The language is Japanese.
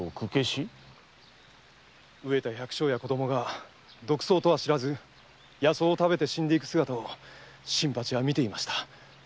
飢えた百姓や子供が毒草と知らず野草を食べて死んでいく姿を新八は見ていました。